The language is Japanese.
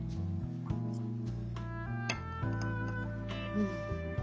うん。